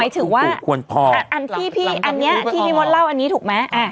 หมายถึงว่าอันที่พี่มดเล่าอันนี้ถูกไหม